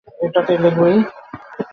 এটা তেলেগুই?